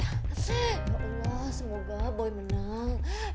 ya allah semoga boy menang